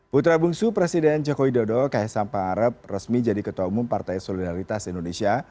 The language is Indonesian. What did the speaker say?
putra bungsu presiden joko widodo kaisang pangarep resmi jadi ketua umum partai solidaritas indonesia